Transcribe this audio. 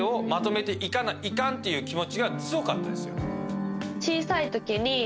ていう気持ちが強かったですよ。